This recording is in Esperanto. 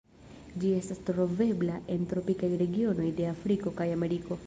Ĝi estas trovebla en tropikaj regionoj de Afriko kaj Ameriko.